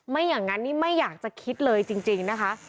อย่างนั้นนี่ไม่อยากจะคิดเลยจริงนะคะ